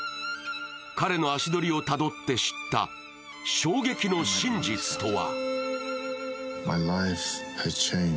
彼の足取りをたどって知った衝撃の真実とは？